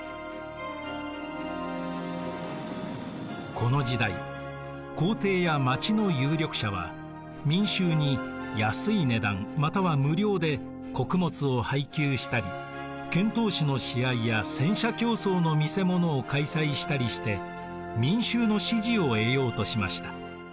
この時代皇帝や町の有力者は民衆に安い値段または無料で穀物を配給したり剣闘士の試合や戦車競走の見せ物を開催したりして民衆の支持を得ようとしました。